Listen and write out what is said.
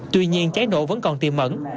tuy nhiên cháy nổ vẫn còn tiềm mẫn